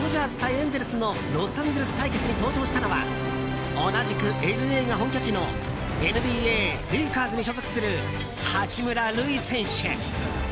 エンゼルスのロサンゼルス対決に登場したのは同じくＬＡが本拠地のＮＢＡレイカーズに所属する八村塁選手。